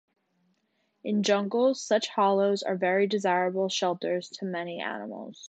In jungles, such hollows are very desirable shelters to many animals.